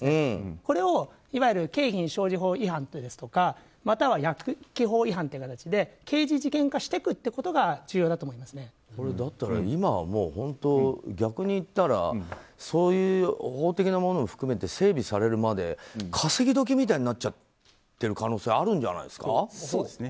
これを景品表示法違反ですとかまたは薬機法違反などで刑事事件としていくのがだったら今は逆に言ったらそういう法的なものを含めて整備されるまで稼ぎ時みたいになっちゃってるんじゃないですか？